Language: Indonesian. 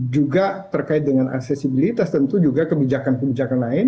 juga terkait dengan aksesibilitas tentu juga kebijakan kebijakan lain